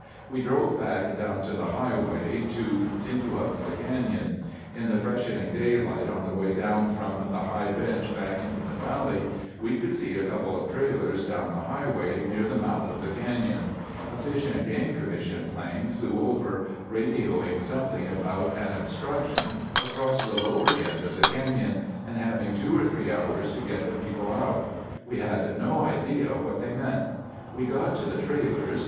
"We drove back down to the highway to continue up to the canyon. In the freshening daylight on the way down from the high bench back into the valley we could see a couple of trailers down the highway near the mouth of the canyon. A Fish and Game Commission plane flew over, radioing something about an obstruction across the lower end of the canyon, and having two to three hours to get the people out. We had no idea what they meant. We got to the trailers.